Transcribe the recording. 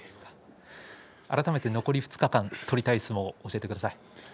改めて残り２日間取りたい相撲を教えてください。